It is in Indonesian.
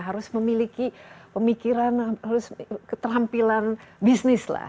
harus memiliki pemikiran harus keterampilan bisnis lah